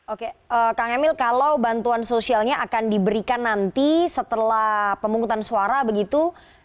oke kang emil kalau bantuan sosialnya akan diberikan nanti setelah pemungutan suara begitu